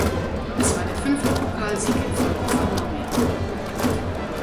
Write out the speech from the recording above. Es war der fünfte Pokalsieg in Folge für Mamer.